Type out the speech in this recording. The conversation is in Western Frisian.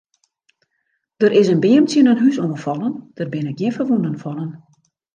Der is in beam tsjin in hús oan fallen, der binne gjin ferwûnen fallen.